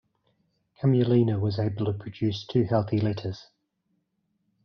Cumulina was able to produce two healthy litters.